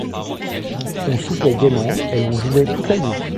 On soupait gaiement et l'on jouait toute la nuit.